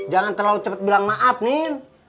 jangan terlalu cepat bilang maaf nih